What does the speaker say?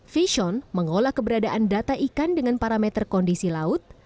vision mengolah keberadaan data ikan dengan parameter kondisi laut